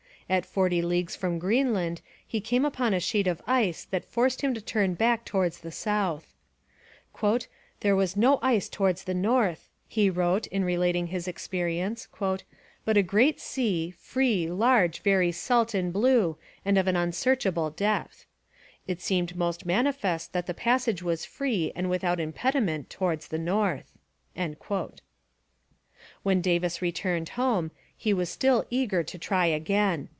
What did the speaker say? At forty leagues from Greenland, he came upon a sheet of ice that forced him to turn back towards the south. 'There was no ice towards the north,' he wrote, in relating his experience, 'but a great sea, free, large, very salt and blue and of an unsearchable depth. It seemed most manifest that the passage was free and without impediment towards the north.' When Davis returned home, he was still eager to try again.